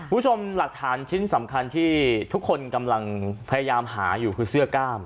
คุณผู้ชมหลักฐานชิ้นสำคัญที่ทุกคนกำลังพยายามหาอยู่คือเสื้อกล้าม